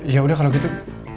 yaudah kalo gitu